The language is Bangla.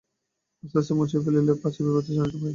আস্তে আস্তে মুছিয়া ফেলিল, পাছে বিভা জানিতে পায়।